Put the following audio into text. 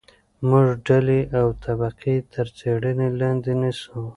موږ ډلې او طبقې تر څېړنې لاندې نیسو.